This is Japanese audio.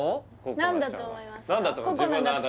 何だと思いますか？